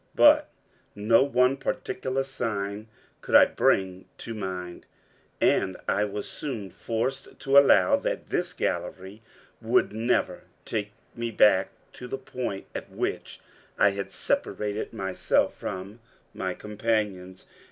But no one particular sign could I bring to mind, and I was soon forced to allow that this gallery would never take me back to the point at which I had separated myself from my companions.